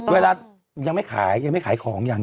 เวลายังไม่ขายยังไม่ขายของยัง